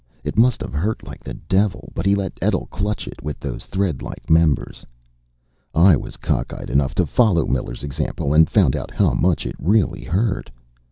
It must have hurt like the devil, but he let Etl clutch it with those thread like members. I was cockeyed enough to follow Miller's example and found out how much it really hurt.